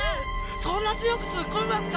そんなつよくツッコみますか？